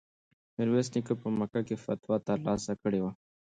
میرویس نیکه په مکه کې فتوا ترلاسه کړې وه.